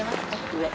上。